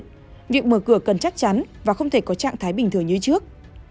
tuy nhiên việc mở cửa cần chắc chắn và không thể có trạng thái bình thường như trước